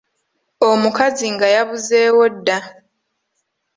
Omukazi nga yabuzeewo dda.